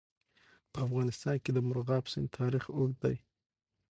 په افغانستان کې د مورغاب سیند تاریخ اوږد دی.